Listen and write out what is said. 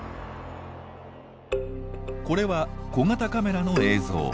これは小型カメラの映像。